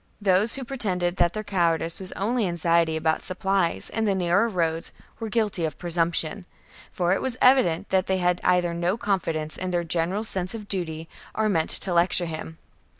Those who pretended that their cowardice was only anxiety about supplies and the narrow roads were guilty of presumption ; for it was evident that they either had no confidence in their general's sense of duty or meant to lecture him.